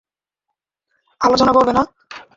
আলোচনা করবে না।